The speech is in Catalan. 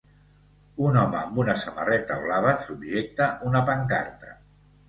Un home amb una samarreta blava subjecta una pancarta